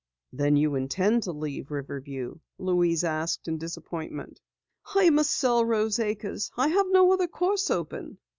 "Then you intend to leave Riverview?" Louise asked in disappointment. "I must sell Rose Acres. I have no other course open."